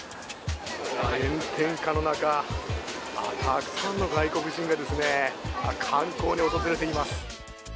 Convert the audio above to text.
炎天下の中、たくさんの外国人がですね、観光に訪れています。